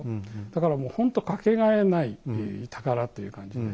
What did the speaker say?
だからもうほんと掛けがえない宝という感じで。